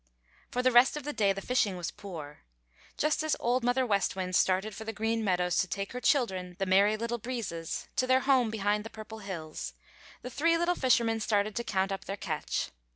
For the rest of the day the fishing was poor. Just as Old Mother West Wind started for the Green Meadows to take her children, the Merry Little Breezes, to their home behind the Purple Hills, the three little fishermen started to count up their catch.